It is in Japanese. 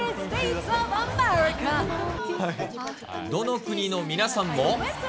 どの国の皆さんも。